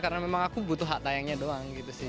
karena memang aku butuh hak tayangnya doang gitu sih